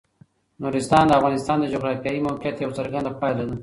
نورستان د افغانستان د جغرافیایي موقیعت یوه څرګنده پایله ده.